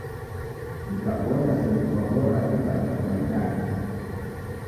Dikabonya seji kwaghora dipata fwaidaki?